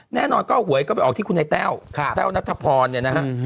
แน่นอนก็หวยก็ไปออกที่คุณไอ้แต้วแต้วนัทพรเนี่ยนะฮะ